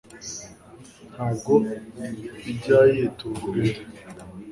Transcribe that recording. ntabwo ijya yiturwa indi